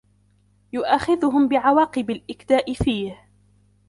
يُؤَاخِذْهُمْ بِعَوَاقِبِ الْإِكْدَاءِ فِيهِ